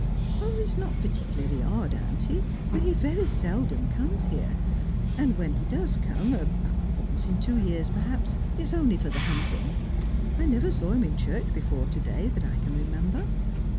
" It's not particularly odd, auntie, for he very seldom comes here ; and when he does come — about once in two years perhaps — it's only for the hunting. I never saw him in church before to day, that I can remember."